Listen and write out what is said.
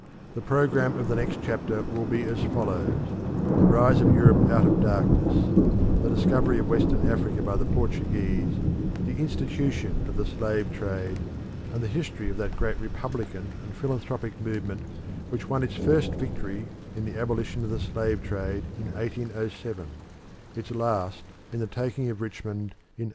The programme of the next chapter will be as follows: The rise of Europe out of darkness; the discovery of Western Africa by the Portuguese; the institution of the slave trade, and the history of that great republican and philanthropic movement which won its first victory in the abolition of the slave trade in 1807, its last in the taking of Richmond in 1865.